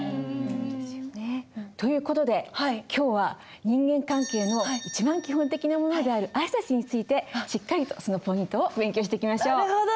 ですよね。という事で今日は人間関係の一番基本的なものである挨拶についてしっかりとそのポイントを勉強していきましょう。なるほど。